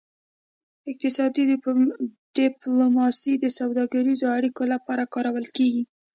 اقتصادي ډیپلوماسي د سوداګریزو اړیکو لپاره کارول کیږي